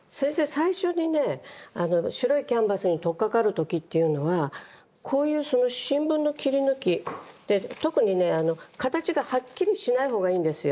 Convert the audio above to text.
最初にね白いキャンバスにとっかかる時っていうのはこういう新聞の切り抜きで特にね形がはっきりしない方がいいんですよ。